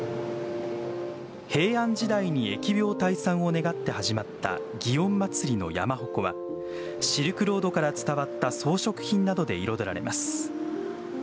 平安時代に疫病退散を願って始まった祇園祭の山鉾はシルクロードから伝わった装飾品などで彩られます。